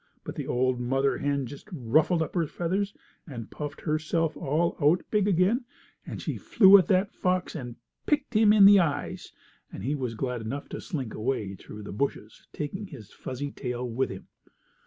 But the old mother hen just ruffled up her feathers and puffed herself all out big again, and she flew at that fox and picked him in the eyes, and he was glad enough to slink away through the bushes, taking his fuzzy tail with him.